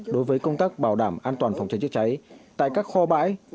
đối với công tác bảo đảm an toàn phòng cháy chữa cháy tại các kho bãi